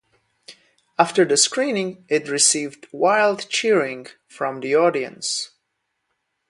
After the screening, it received "wild cheering" from the audience.